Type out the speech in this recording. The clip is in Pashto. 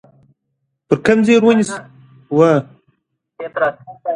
د ښځینه تعلیم د ملاتړ شبکې د باور اساس دی.